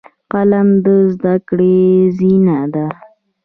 قلم د زده کړې زینه ده